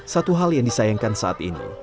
satu hal yang disayangkan saat ini